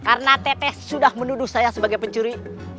karena teteh sudah menuduh saya sebagai pencuri